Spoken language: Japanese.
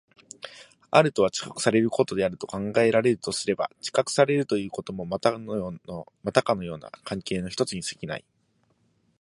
あるとは知覚されることであると考えられるとすれば、知覚されるということもまたかような関係の一つに過ぎない。